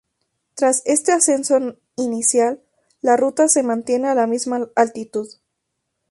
Tras este ascenso inicial, la ruta se mantiene a la misma altitud.